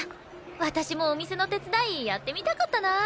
私もお店の手伝いやってみたかったな。